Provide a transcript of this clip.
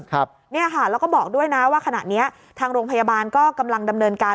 แล้วก็บอกด้วยนะว่าขณะนี้ทางโรงพยาบาลก็กำลังดำเนินการ